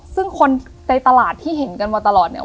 ซึ่งคนในตลาดที่เห็นกันมาตลอดเนี่ย